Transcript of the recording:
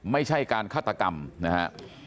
ไม่ใช่การฆาตกรรมนะฮะ